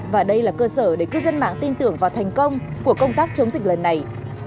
và đây là cơ sở để cư dân mạng tin tưởng vào thành công của công tác chống dịch lần này